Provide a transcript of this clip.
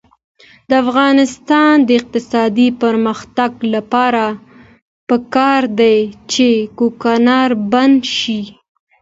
د افغانستان د اقتصادي پرمختګ لپاره پکار ده چې کوکنار بند شي.